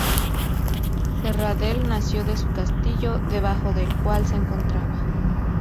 Serradell nació de su castillo, debajo del cual se encontraba.